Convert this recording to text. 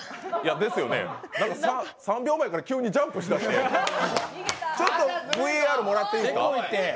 ですよね、３秒前から急にジャンプしたのでちょっとＶＡＲもらっていいですか？